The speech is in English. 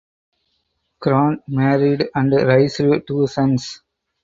Cron married and raised two sons.